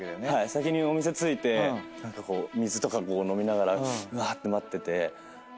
先にお店着いて水とかこう飲みながらうわっって待ってて。